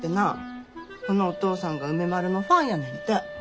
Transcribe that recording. そのお父さんが梅丸のファンやねんて。